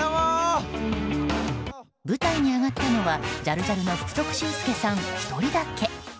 舞台に上がったのはジャルジャルの福徳秀介さん１人だけ。